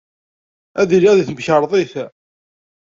Ad iliɣ deg temkarḍit.